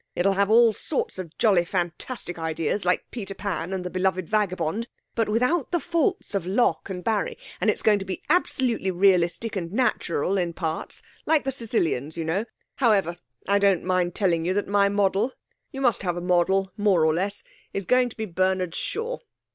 It'll have all sorts of jolly fantastic ideas like Peter Pan and The Beloved Vagabond, but without the faults of Locke and Barrie and it's going to be absolutely realistic and natural in parts like the Sicilians, you know. However, I don't mind telling you that my model you must have a model, more or less is going to be Bernard Shaw.